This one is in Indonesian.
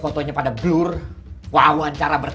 contohnya pada blur wawancara bertel